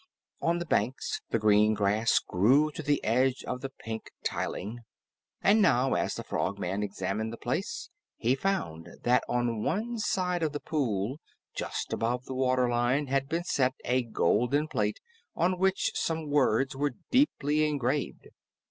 On the banks, the green grass grew to the edge of the pink tiling. And now, as the Frogman examined the place, he found that on one side of the pool, just above the water line, had been set a golden plate on which some words were deeply engraved.